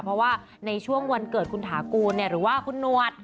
เพราะว่าในช่วงวันเกิดคุณถากูลหรือว่าคุณหนวด